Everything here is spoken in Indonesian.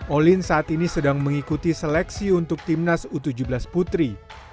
olin saat ini sedang mengikuti seleksi untuk timnas u tujuh belas putri